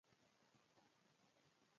زه بېخي نه وم خبر